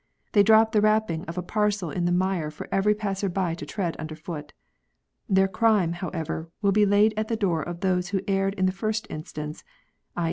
They drop the wrapping of a parcel in the mire for every passer by to tread under foot. Their crime, however, will be laid at the door of those who erred in the first instance (*.